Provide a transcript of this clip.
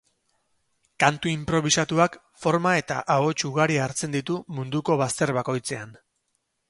Kantu inprobisatuak forma eta ahots ugari hartzen ditu munduko bazter bakoitzean.